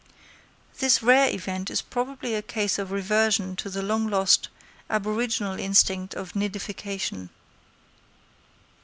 This rare event is probably a case of reversion to the long lost, aboriginal instinct of nidification.